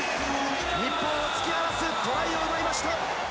日本を突き放すトライを奪いました！